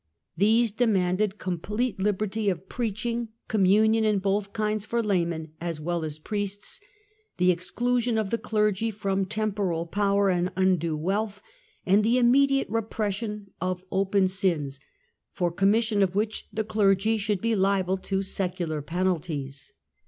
These de manded complete liberty of preaching, communion in both kinds for laymen as well as priests, the exclusion of the clergy from temporal power and undue wealth, and the immediate repression of open sins, for com mission of which the clergy should be liable to secular penalties.